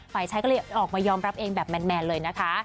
ฝ่ายชายก็เลยออกมายอมรับเองแบบแมนเลยนะคะ